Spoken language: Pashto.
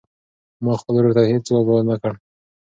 ما خپل ورور ته هېڅ ځواب ورنه کړ.